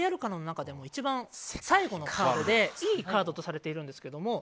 一番最後のカードでいいカードとされているんですけども。